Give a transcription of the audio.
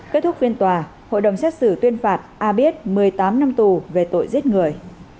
kết thúc phiên tòa hội đồng xét xử tuyên phạt a biết một mươi tám năm tù về tội giết người